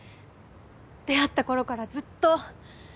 出会ったころからずっと。